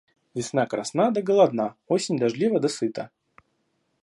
Весна красна, да голодна; осень дождлива, да сыта.